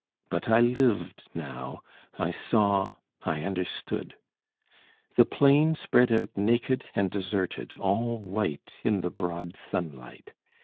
But I lived now, I saw, I understood. The plain spread out naked and deserted, all white in the broad sunlight.